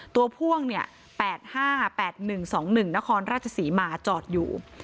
พ่วง๘๕๘๑๒๑นครราชศรีมาจอดอยู่